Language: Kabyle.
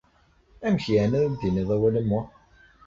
Amek yeɛni ara d-tiniḍ awal am wa?